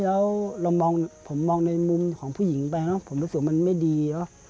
แล้วผมมองในมุมของผู้หญิงไปนะผมรู้สึกว่ามันไม่ดี